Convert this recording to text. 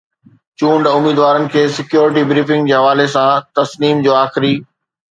چونڊ اميدوارن کي سيڪيورٽي بريفنگ جي حوالي سان تسنيم جو آخري